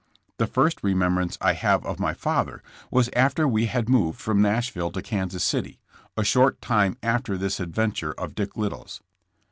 The first remembrance I have of my father, was after we had moved from Nashville to Kansas City, a short time after this adventure of Dick Liddill 's.